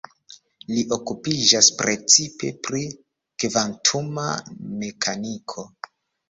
Li okupiĝas precipe pri kvantuma mekaniko.